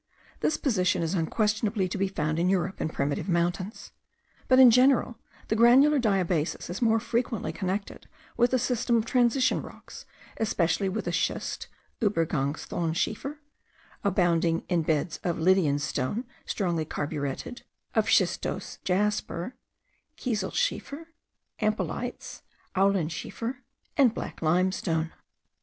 This position is unquestionably to be found in Europe in primitive mountains; but in general the granular diabasis is more frequently connected with the system of transition rocks, especially with a schist (ubergangs thonschiefer) abounding in beds of Lydian stone strongly carburetted, of schistose jasper,* (Kieselschiefer.) ampelites,* (Alaunschiefer.) and black limestone.